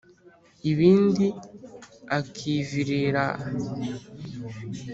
ibindi akivirira